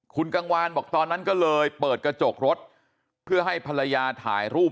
คุณกังวานบอกตอนนั้นก็เลยเปิดกระจกรถเพื่อให้ภรรยาถ่ายรูป